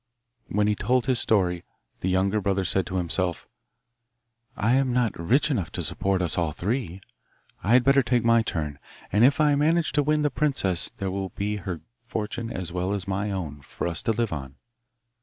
When he told his story the youngest said to himself, 'I am not rich enough to support us all three. I had better take my turn, and if I manage to win the princess there will be her fortune as well as my own for us to live on.